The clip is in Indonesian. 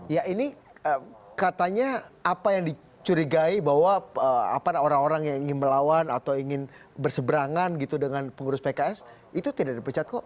ya ini katanya apa yang dicurigai bahwa orang orang yang ingin melawan atau ingin berseberangan gitu dengan pengurus pks itu tidak dipecat kok